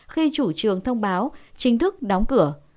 khi chủ trường thông báo chính thức đóng cửa